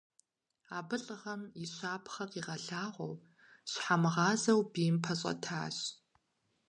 Абы лӀыгъэм и щапхъэ къигъэлъагъуэу, щхьэмыгъазэу бийм пэщӀэтащ.